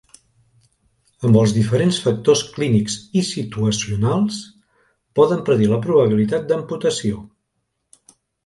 Amb els diferents factors clínics i situacionals, poden predir la probabilitat d'amputació.